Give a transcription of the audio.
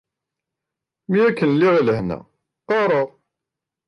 Mi akken i lliɣ di lehna, qqareɣ.